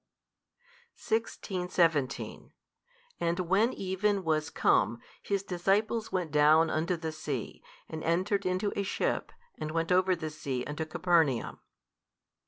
16, 17 And when even was come, His disciples went down unto the sea, and entered into a ship and went over the sea unto Capernaum.